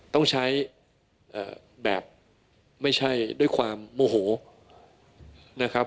ต้องใช้แบบไม่ใช่ด้วยความโมโหนะครับ